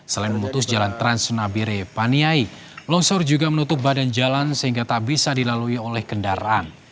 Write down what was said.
selain memutus jalan transnabire paniai longsor juga menutup badan jalan sehingga tak bisa dilalui oleh kendaraan